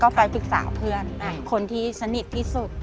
ไปฝึกสาวเพื่อนคนที่สนิทที่สุด